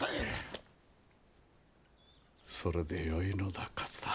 それでよいのだ勝太。